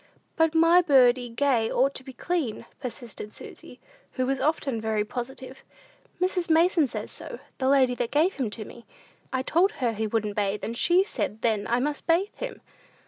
"But my birdie gay ought to be clean," persisted Susy, who was often very positive. "Mrs. Mason says so the lady that gave him to me. I told her he wouldn't bathe, and she said then I must bathe him."